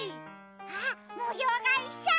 あっもようがいっしょ！